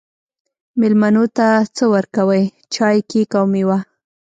میلمنو ته څه ورکوئ؟ چای، کیک او میوه